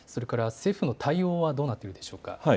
政府の対応はどうなっているでしょうか。